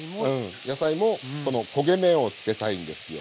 野菜もこの焦げ目をつけたいんですよ。